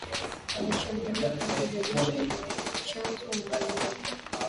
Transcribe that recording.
walishambulia kambi za jeshi la Tchanzu na Runyonyi